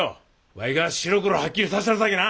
わいが白黒はっきりさしたるさけな。